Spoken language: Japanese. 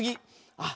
あっ。